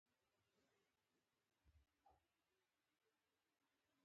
لاسونه مي رېږدي ؟